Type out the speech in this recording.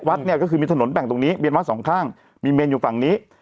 เนี่ยก็คือมีถนนแบ่งตรงนี้เมนวัดสองข้างมีเมนอยู่ฝั่งนี้